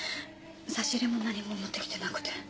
差し入れも何も持ってきてなくて。